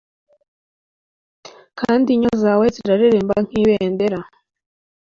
Kandi inyo zawe zizareremba nkibendera